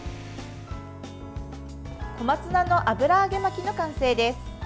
小松菜の油揚げ巻きの完成です。